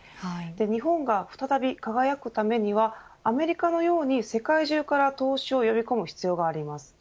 日本が再び輝くためにはアメリカのように世界中から投資を呼び込む必要があります。